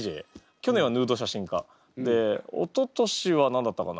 去年はヌード写真家。でおととしは何だったかな？